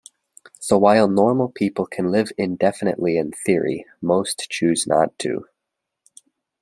So while normal people can live indefinitely in theory, most choose not to.